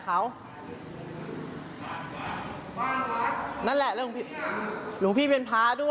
ชอบให้เป็นรอยร้องตลอด